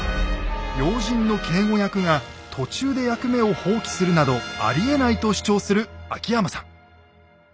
要人の警護役が途中で役目を放棄するなどありえないと主張する秋山さん。